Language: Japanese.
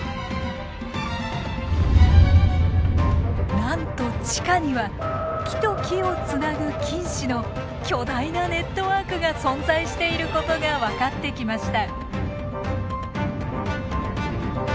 なんと地下には木と木をつなぐ菌糸の巨大なネットワークが存在していることが分かってきました。